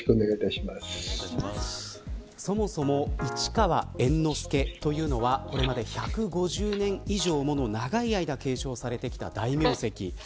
そもそも、市川猿之助というのはこれまで１５０年以上もの長い間継承されてきた大名跡です。